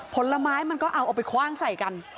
ผลไม้มันก็เอาเอาไปคว่างใส่กัน